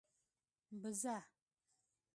🐐 بزه